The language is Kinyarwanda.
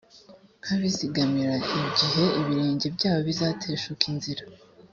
nkabizigamira igihe ibirenge byabo bizateshuka inzira.